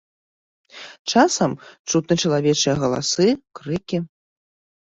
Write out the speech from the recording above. Часам чутны чалавечыя галасы, крыкі.